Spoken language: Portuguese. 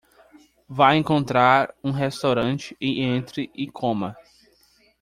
Vá encontrar um restaurante e entre e coma